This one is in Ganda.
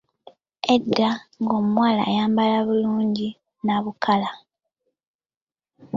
Edda ng'omuwala ayambala bulungi nabukala.